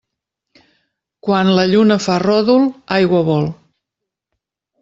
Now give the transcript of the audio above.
Quan la lluna fa ròdol, aigua vol.